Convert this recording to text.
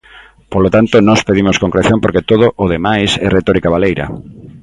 Polo tanto, nós pedimos concreción porque todo o demais é retórica baleira.